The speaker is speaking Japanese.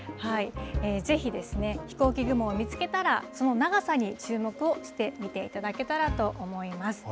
ぜひ、飛行機雲を見つけたら、その長さに注目をしてみていただけたらと思います。